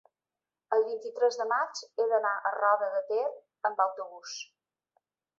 el vint-i-tres de maig he d'anar a Roda de Ter amb autobús.